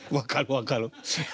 分かる。